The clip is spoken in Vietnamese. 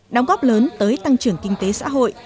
đóng góp lớn tới tăng trưởng kinh tế xã hội